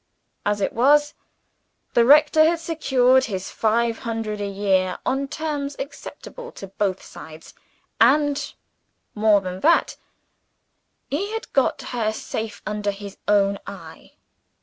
As it was, the rector had secured his five hundred a year, on terms acceptable to both sides and, more than that, he had got her safe under his own eye.